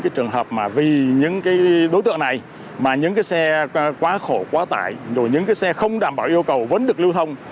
các đối tượng này mà những cái xe quá khổ quá tải rồi những cái xe không đảm bảo yêu cầu vẫn được lưu thông